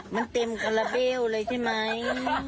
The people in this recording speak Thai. มันเต็มคาราเบลเลยใช่ไหม